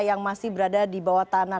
yang masih berada di bawah tanah